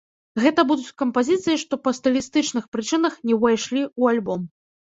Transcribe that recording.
Гэта будуць кампазіцыі, што па стылістычных прычынах не ўвайшлі ў альбом.